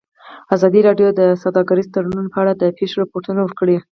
ازادي راډیو د سوداګریز تړونونه په اړه د پېښو رپوټونه ورکړي.